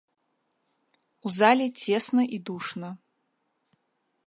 У зале цесна і душна.